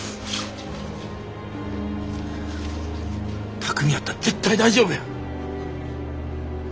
巧海やったら絶対大丈夫や。